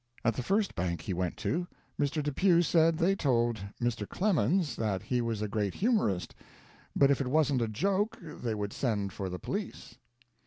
At the first bank he went to, Mr. Depew said they told Mr. Clemens that he was a great humorist, but if it wasn't a joke they would send for the police.